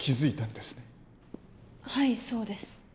はいそうです。